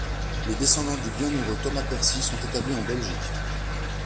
Les descendants du Bienheureux Thomas Percy sont établis en Belgique.